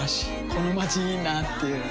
このまちいいなぁっていう